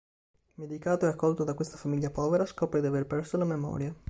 Medicato e accolto da questa famiglia povera, scopre di aver perso la memoria.